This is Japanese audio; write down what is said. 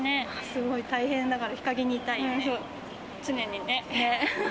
すごい大変だから日陰にいたいね。